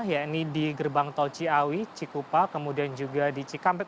yakni di gerbang tol ciawi cikupa kemudian juga di cikampek